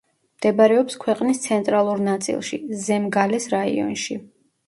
მდებარეობს ქვეყნის ცენტრალურ ნაწილში, ზემგალეს რეგიონში.